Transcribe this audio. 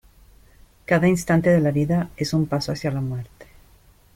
Cada instante de la vida es un paso hacia la muerte.